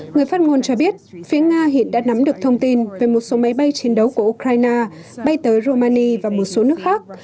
người phát ngôn cho biết phía nga hiện đã nắm được thông tin về một số máy bay chiến đấu của ukraine bay tới romani và một số nước khác